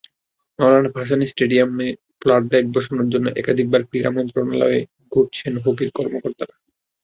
মওলানা ভাসানী স্টেডিয়ামে ফ্লাডলাইট বসানোর জন্য একাধিকবার ক্রীড়া মন্ত্রণালয়ে ঘুরেছেন হকির কর্মকর্তারা।